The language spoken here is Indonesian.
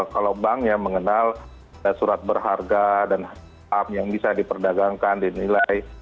kalau banknya mengenal surat berharga dan yang bisa diperdagangkan dinilai